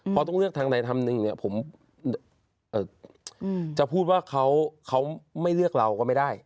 เพราะต้องเลือกทางใดทางหนึ่งเนี่ยผมจะพูดว่าเขาไม่เลือกเราก็ไม่ได้